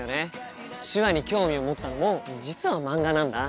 手話に興味を持ったのも実は漫画なんだ。